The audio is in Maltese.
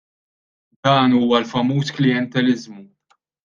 Dan huwa l-famuż klijenteliżmu.